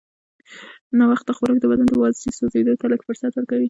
ناوخته خوراک د بدن د وازدې سوځېدو ته لږ فرصت ورکوي.